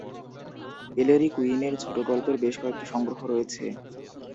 এলেরি কুইনের ছোটগল্পের বেশ কয়েকটি সংগ্রহ রয়েছে।